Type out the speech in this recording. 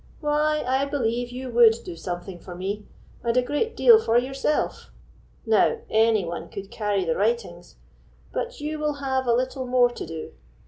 "Why, I believe you would do something for me, and a great deal for yourself. Now, any one could carry the writings; but you will have a little more to do.